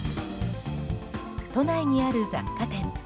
都内にある雑貨店。